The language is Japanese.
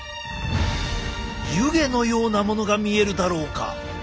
湯気のようなものが見えるだろうか？